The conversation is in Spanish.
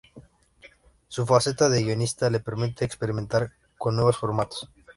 Su faceta de guionista le permite experimentar con nuevos formatos.